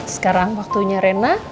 sekarang waktunya rena